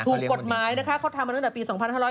ถูกกฎหมายนะคะเขาทำมาตั้งแต่ปี๒๕๕๙